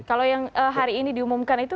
kalau yang hari ini diumumkan itu